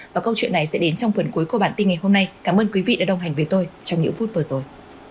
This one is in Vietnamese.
và câu chuyện này sẽ đến trong phần cuối của bản tin ngày hôm nay cảm ơn quý vị đã đồng hành với tôi trong những phút vừa rồi